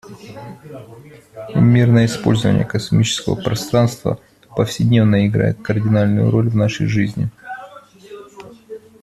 Мирное использование космического пространства повседневно играет кардинальную роль в нашей жизни.